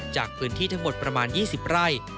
จากพื้นที่ทั้งหมดประมาณ๒๐ไร่